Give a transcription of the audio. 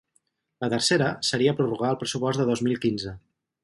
La tercera seria prorrogar el pressupost de dos mil quinze.